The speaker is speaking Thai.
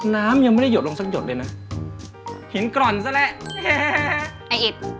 น้ำยังไม่ได้หดลงสักหยดเลยนะหินกร่อนซะแล้วไอ้อิด